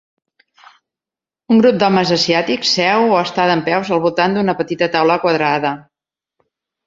Un grup d"homes asiàtics seu o està dempeus al voltant d"una petita taula quadrada.